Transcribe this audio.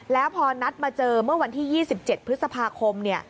แล้วพอนัดมาเจอเมื่อวันที่๒๗พฤษภาคม